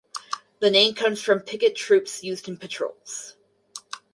The name comes from picket troops used in patrols.